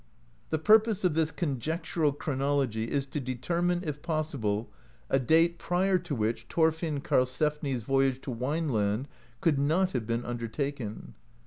The pur pose of this conjectural chronology is to determine, if possible, a date prior to which Thorfinn Karlsefni's voy age to Wineland could not have been undertaken.